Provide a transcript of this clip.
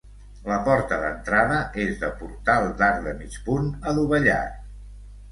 La porta d'entrada és de portal d'arc de mig punt adovellat.